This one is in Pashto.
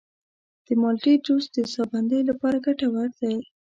د مالټې جوس د ساه بندۍ لپاره ګټور دی.